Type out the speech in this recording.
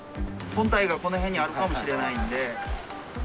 本体がこの辺にあるかもしれないんで。